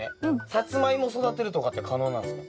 サツマイモ育てるとかって可能なんですか？